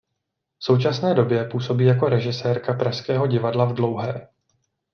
V současné době působí jako režisérka pražského Divadla v Dlouhé.